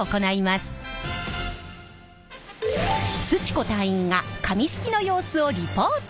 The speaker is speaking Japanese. すち子隊員が紙すきの様子をリポート！